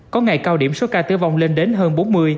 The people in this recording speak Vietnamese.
có ngày cao điểm số ca tử vong lên đến hơn bốn mươi